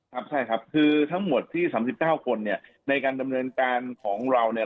ครับใช่ครับคือทั้งหมดที่๓๙คนเนี่ยในการดำเนินการของเราเนี่ย